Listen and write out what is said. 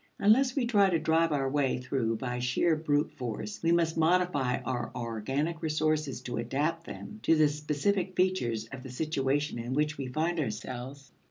Unless we try to drive our way through by sheer brute force, we must modify our organic resources to adapt them to the specific features of the situation in which we find ourselves.